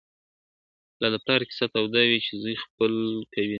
لا د پلار کیسه توده وي چي زوی خپل کوي نکلونه ,